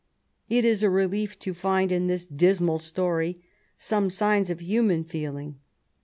It is a relief to find in this dismal story some signs of human feeling.